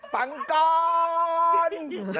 ฟังก่อน